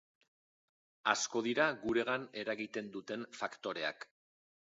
Asko dira guregan eragiten duten faktoreak.